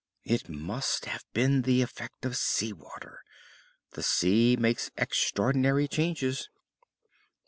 "It must have been the effect of sea water. The sea makes extraordinary changes."